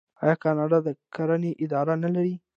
آیا کاناډا د کرنې اداره نلري؟